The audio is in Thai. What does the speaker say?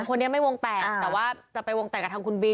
คนนี้ไม่วงแตกแต่ว่าจะไปวงแตกกับทางคุณบิน